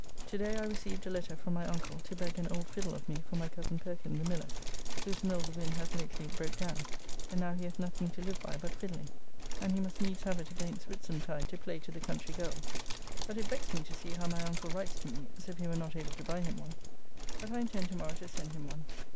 To day I received a letter from my uncle, to beg an old fiddle of me for my Cozen Perkin, the miller, whose mill the wind hath lately broke down, and now he hath nothing to live by but fiddling, and he must needs have it against Whitsuntide to play to the country girls; but it vexed me to see how my uncle writes to me, as if he were not able to buy him one. But I intend tomorrow to send him one.